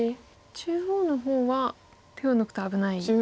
中央の方は手を抜くと危ないですか。